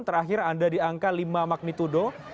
terakhir anda di angka lima magnitudo